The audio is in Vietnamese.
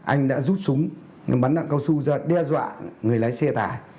anh đã rút súng bắn đạn cao su ra đe dọa người lái xe tải